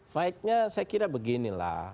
fight nya saya kira beginilah